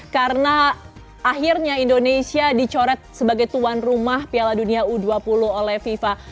karena akhirnya indonesia dicoret sebagai tuan rumah piala dunia u dua puluh oleh fifa